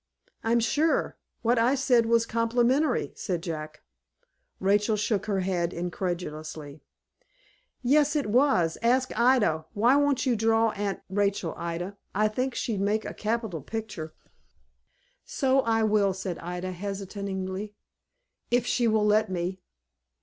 "I'm sure, what I said was complimentary," said Jack. Rachel shook her head incredulously. "Yes it was. Ask Ida. Why won't you draw Aunt Rachel, Ida? I think she'd make a capital picture." "So I will," said Ida, hesitatingly, "if she will let me."